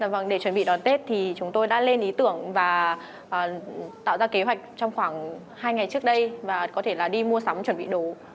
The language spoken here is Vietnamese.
vâng để chuẩn bị đón tết thì chúng tôi đã lên ý tưởng và tạo ra kế hoạch trong khoảng hai ngày trước đây và có thể là đi mua sắm chuẩn bị đồ